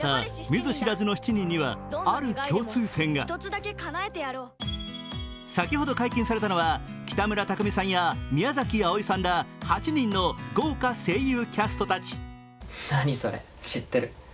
見ず知らずの７人にはある共通点が先ほど解禁されたのは、北村匠海さんや宮崎あおいさんら８人の豪華声優キャストたち。